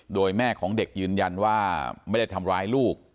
โดยแม่ของเด็กยืนยันว่าไม่ได้ทำร้ายลูก